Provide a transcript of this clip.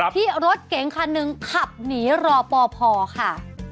ที่รถเก๋งคันหนึ่งขับหนีรอปภค่ะ